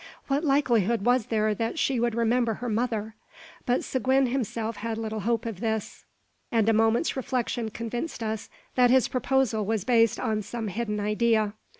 What likelihood was there that she would remember her mother? But Seguin himself had little hope of this, and a moment's reflection convinced us that his proposal was based upon some hidden idea.